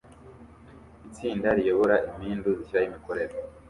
Itsinda riyobora impundu zishyiraho imikorere